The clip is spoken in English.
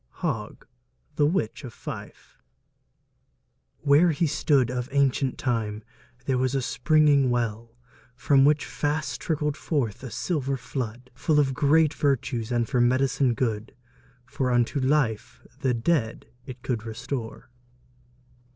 HOGG: The Witch of Fife. ... where he stood, Of auncient time there was a springing well, From which fast trickled forth a silver flood, Full of great vertues, and for med'cine good: ... For unto life the dead it could restore.